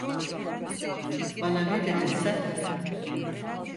Bana ne dedin sen?